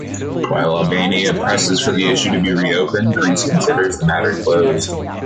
While Albania presses for the issue to be re-opened, Greece considers the matter closed.